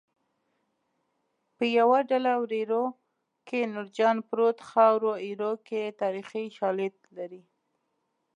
په یوه ډله وریرو کې نورجان پروت خاورو ایرو کې تاریخي شالید لري